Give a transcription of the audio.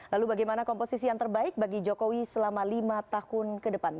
lalu bagaimana komposisi yang terbaik bagi jokowi selama lima tahun ke depan